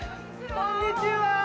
こんにちは。